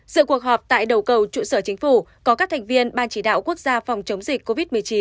sự cuộc họp tại đầu cầu trụ sở chính phủ có các thành viên ban chỉ đạo quốc gia phòng chống dịch covid một mươi chín